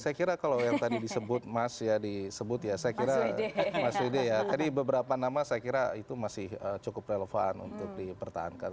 saya kira kalau yang tadi disebut mas saya kira beberapa nama itu masih cukup relevan untuk dipertahankan